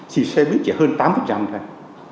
thì xe buýt chỉ hơn tám thôi